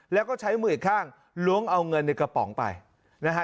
แล้วก็ใช้มืออีกข้างล้วงเอาเงินในกระป๋องไปนะฮะ